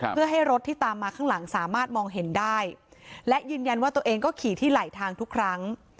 เพื่อให้รถที่ตามมาข้างหลังสามารถมองเห็นได้และยืนยันว่าตัวเองก็ขี่ที่ไหลทางทุกครั้ง